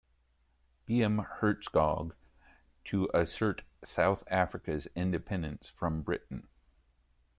B. M. Hertzog to assert South Africa's independence from Britain.